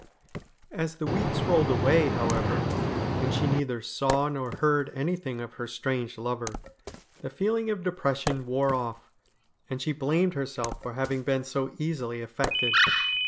As the weeks rolled away, however, and she neither saw nor heard anything of her strange lover, the feel ing of depression wore off, and she blamed herself for having been so easily affected.